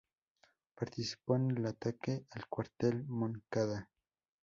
Participó en el ataque al Cuartel Moncada.